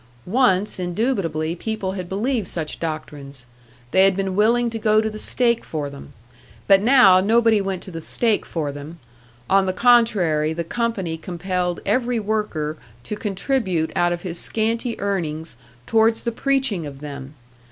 Once, indubitably, people had believed such doctrines; they had been willing to go to the stake for them. But now nobody went to the stake for them on the contrary, the company compelled every worker to contribute out of his scanty earnings towards the preaching of them.